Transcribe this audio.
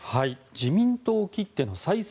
自民党きっての再生